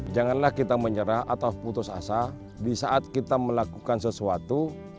janganlah kita menyerah atau putus asa di saat kita melakukan sesuatu